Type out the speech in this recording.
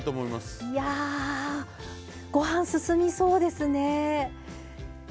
いやあご飯進みそうですね。